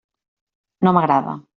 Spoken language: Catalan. No m'agrada.